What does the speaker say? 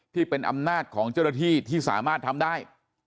ที่เป็นอำนาจของเจ้าหน้าที่ที่สามารถทำได้